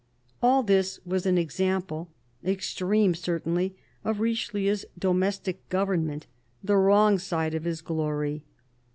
All this was an example— extreme, certainly — of Richelieu's domestic government, the wrong side of his glory.